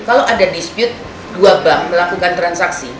kalau ada dispute dua bank melakukan transaksi